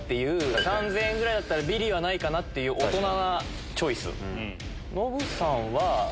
３０００円ぐらいだったらビリはないって大人なチョイス。